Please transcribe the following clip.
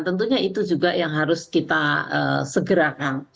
tentunya itu juga yang harus kita segerakan